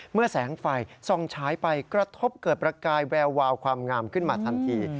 แสงไฟส่องฉายไปกระทบเกิดประกายแวววาวความงามขึ้นมาทันที